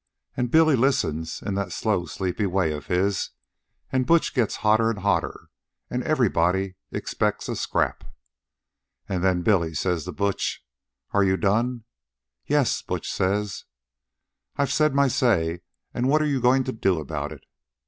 An' Billy listens in that slow, sleepy way of his, an' Butch gets hotter an' hotter, an' everybody expects a scrap. "An' then Billy says to Butch, 'Are you done?' 'Yes,' Butch says; 'I've said my say, an' what are you goin' to do about it?'